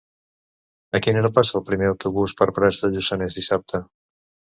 A quina hora passa el primer autobús per Prats de Lluçanès dissabte?